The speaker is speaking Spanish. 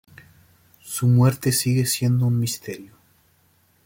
Su muerte sigue siendo un misterio.